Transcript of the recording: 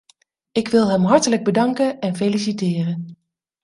Ik wil hem hartelijk bedanken en feliciteren.